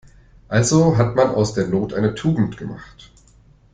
Also hat man aus der Not eine Tugend gemacht.